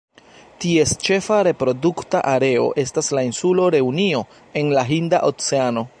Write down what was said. Ties ĉefa reprodukta areo estas la insulo Reunio en la Hinda Oceano.